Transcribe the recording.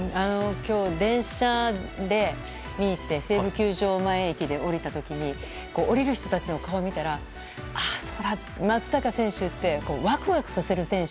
今日、電車で西武球場前駅で降りた時に降りる人たちの顔を見たらああ、そうだ松坂選手ってワクワクさせる選手。